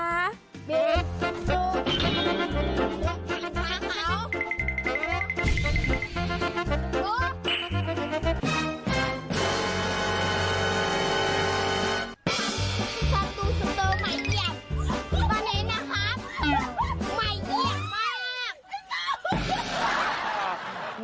ชิคกี้พายดูสุดโตใหม่เอียมตอนนี้นะครับใหม่เอียมมาก